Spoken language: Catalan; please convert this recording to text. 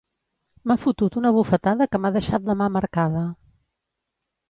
M'ha fotut una bufetada que m'ha deixat la mà marcada.